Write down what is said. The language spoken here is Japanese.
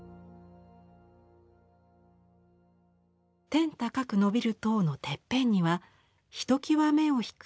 天高くのびる塔のてっぺんにはひときわ目を引く